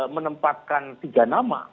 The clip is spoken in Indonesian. menempatkan tiga nama